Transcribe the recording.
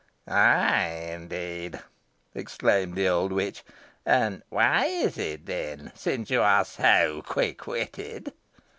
"Ay, indeed!" exclaimed the old witch. "And why is it, then, since you are so quick witted?"